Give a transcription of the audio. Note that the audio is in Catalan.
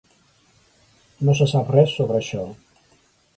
No se sap res sobre això.